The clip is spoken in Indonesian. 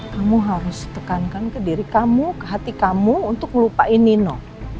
kamu harus tekankan ke diri kamu ke hati kamu untuk melupain nino